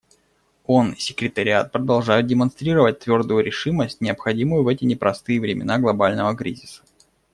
Он и Секретариат продолжают демонстрировать твердую решимость, необходимую в эти непростые времена глобального кризиса.